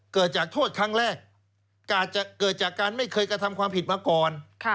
เกิดจากโทษครั้งแรกอาจจะเกิดจากการไม่เคยกระทำความผิดมาก่อน